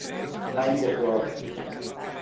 Any de plor.